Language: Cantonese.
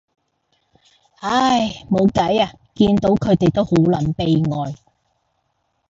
唉，冇計呀，見到佢哋都好撚悲哀